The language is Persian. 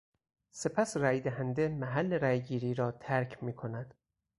سپس رای دهنده محل رای گیری را ترک میکند.